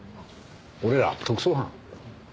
俺ら特捜班。